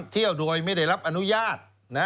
เที่ยวโดยไม่ได้รับอนุญาต